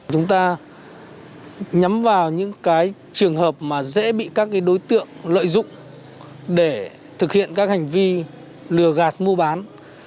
chúng ta nhắm vào những trường hợp mà dễ bị các đối tượng lợi dụng để thực hiện các hành vi lừa gạt mua bán